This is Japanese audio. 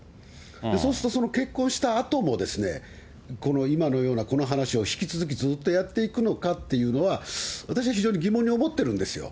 そうすると、その結婚したあとも、今のようなこの話を引き続きずっとやっていくのかっていうのは、私は非常に疑問に思ってるんですよ。